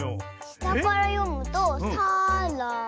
したからよむと「さ・ら・だ」！